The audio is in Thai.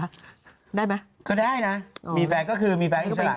ได้ไหมก็ได้นะมีแฟนก็คือมีแฟนอิสระ